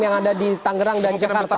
yang ada di tangerang dan jakarta